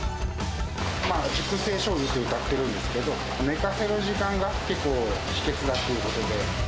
熟成しょうゆとうたってるんですけど、寝かせる時間が、結構、秘けつだということで。